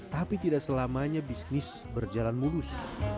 tapi tidak selamanya bisnis berjalan mulus